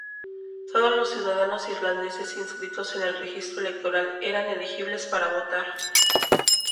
Todos los ciudadanos irlandeses inscritos en el registro electoral eran elegibles para votar.